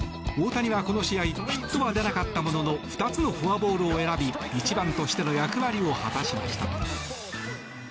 大谷はこの試合ヒットは出なかったものの２つのフォアボールを選び１番としての役割を果たしました。